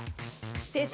出た！